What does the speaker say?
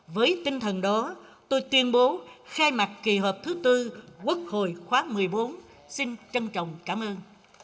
với tinh thần đó tôi tuyên bố khai mạc kỳ họp thứ tư quốc hội khóa một mươi bốn xin trân trọng cảm ơn